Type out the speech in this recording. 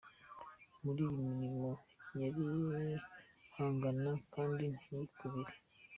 Muri iyi mirimo yarihanganaga kandi ntiyikubire.